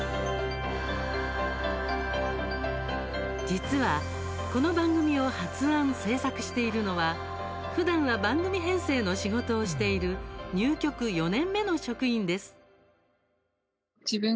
実は、この番組を発案制作しているのは、ふだんは番組編成の仕事をしている入局４年目の職員です。